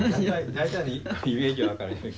大体のイメージは分かる。